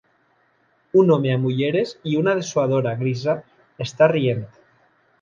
Un home amb ulleres i una dessuadora grisa està rient.